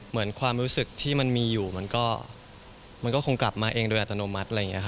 เหมือนความรู้สึกที่มันมีอยู่มันก็คงกลับมาเองโดยอัตโนมัติ